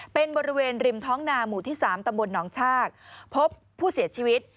เป็นบริเวณริมท้องนาหมู่ที่๓ตำบลหนองชากพบผู้เสียชีวิต